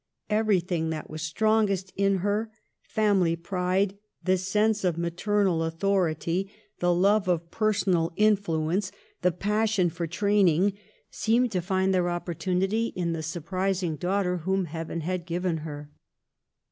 Everything that was strongest in her, family pride, the sense of maternal authority, the (20) Digitized by VjOOQLC GIRLHOOD AND MARRIAGE. 21 love of personal influence, the passion for train ing, seemed to find their opportunity in the, sur prising daughter whom Heaven had given her.